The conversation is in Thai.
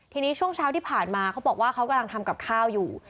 ทีนี้ช่วงเช้าที่ผ่านมาเขาบอกว่าเขากำลังทำกับข้าวอยู่